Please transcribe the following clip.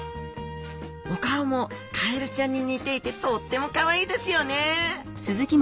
お顔もカエルちゃんに似ていてとってもかわいいですよね。